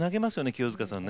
清塚さんね。